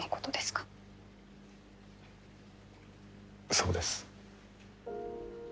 そうです。